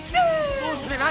どうして何？